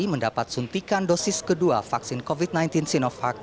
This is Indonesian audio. mendapat suntikan dosis kedua vaksin covid sembilan belas sinovac